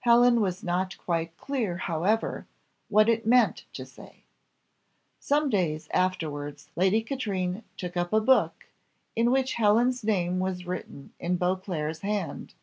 Helen was not quite clear, however, what it meant to say. Some days afterwards Lady Katrine took up a book, in which Helen's name was written in Beauclerc's hand.